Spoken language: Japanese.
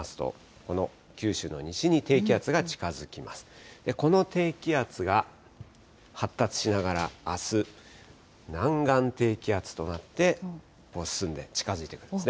この低気圧が発達しながら、あす、南岸低気圧となってここに進んで近づいてくるんですね。